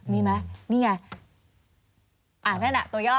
มีไหมนี่ไง